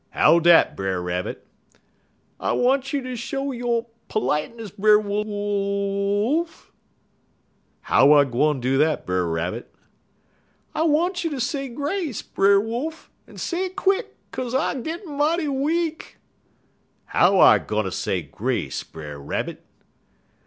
"'How dat, Brer Rabbit?' "'I want you ter show yo' p'liteness, Brer Wooly ooly oolf!' "'How I gwine do dat, Brer Rabbit?' "'I want you ter say grace, Brer Wolf, en say it quick, 'kaze I gittin' mighty weak.' "'How I gwine say grace, Brer Rabbit?'